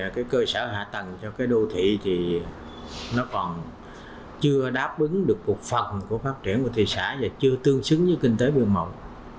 cái cơ sở hạ tầng cho cái đô thị thì nó còn chưa đáp ứng được một phần của phát triển của thị xã và chưa tương xứng với kinh tế biên mộng